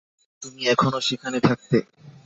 তুমি এখনও সেখানে থাকতে।